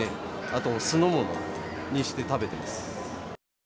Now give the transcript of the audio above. あと酢の物にして食べています。